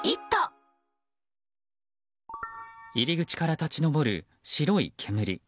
入り口から立ち上る白い煙。